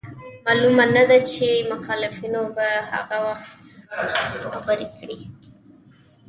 معلومه نه ده چي مخالفينو به هغه وخت په دې خبري